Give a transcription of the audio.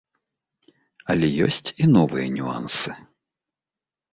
Але ёсць і новыя нюансы.